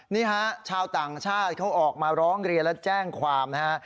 นี่ฮะชาวต่างชาติเขาออกมาร้องเรียนและแจ้งความนะฮะ